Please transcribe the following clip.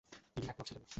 তিনি একমত ছিলেন না।